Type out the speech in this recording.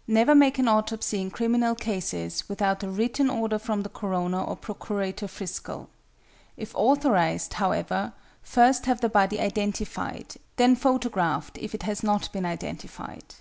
= Never make an autopsy in criminal cases without a written order from the coroner or Procurator Fiscal. If authorized, however, first have the body identified, then photographed if it has not been identified.